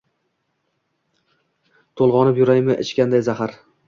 To’lg’onib yuraymi ichganday zahar?!